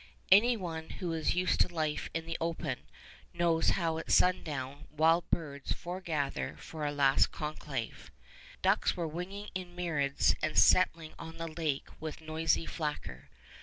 Any one who is used to life in the open knows how at sundown wild birds foregather for a last conclave. Ducks were winging in myriads and settling on the lake with noisy flacker.